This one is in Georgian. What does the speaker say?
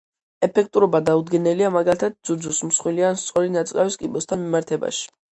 ეფექტურობა დაუდგენელია მაგალითად, ძუძუს, მსხვილი, ან სწორი ნაწლავის კიბოსთან მიმართებაში.